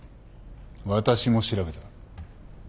私も調べた。